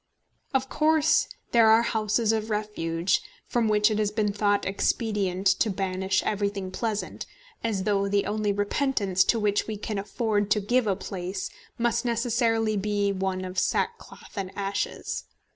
Of course there are houses of refuge, from which it has been thought expedient to banish everything pleasant, as though the only repentance to which we can afford to give a place must necessarily be one of sackcloth and ashes.